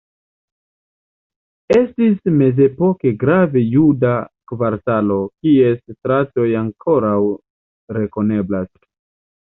Estis mezepoke grava juda kvartalo, kies stratoj ankoraŭ rekoneblas.